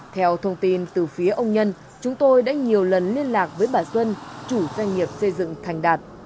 theo thông tin từ phía ông nhân chúng tôi đã nhiều lần liên lạc với bà xuân chủ doanh nghiệp xây dựng thành đạt